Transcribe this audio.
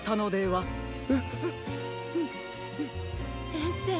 せんせい。